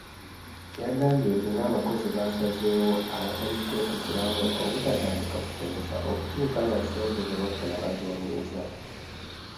Yagambye nti ng'abakozi baasazeewo awatali kwekutulamu obutatandika kusomesa okutuuka nga ssente ze bafuna bazongeza.